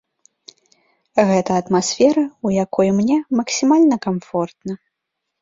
Гэта атмасфера, у якой мне максімальна камфортна.